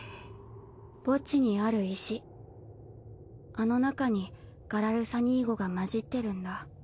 墓地にある石あの中にガラルサニーゴが混じってるんだ。